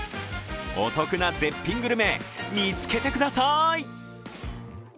お得な絶品グルメ、見つけてください。